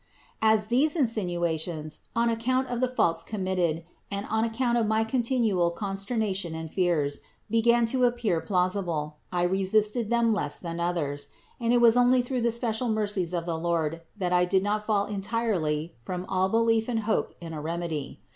8. As these insinuations, on account of the faults com mitted and on account of my continual consternation and fears, began to appear plausible, I resisted them less than others ; and it was only through the special mercies of the Lord, that I did not fall entirely from all belief and hope in a remedy.